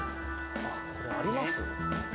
これあります？